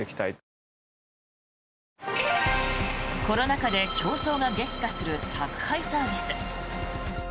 コロナ禍で競争が激化する宅配サービス。